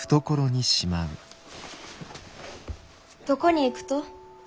どこに行くと？